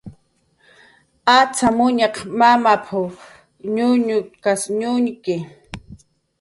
"Acxamuñaq mamap"" ñuñuchkas ñuñki"